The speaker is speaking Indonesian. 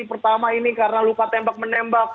pertama ini karena luka tembak menembak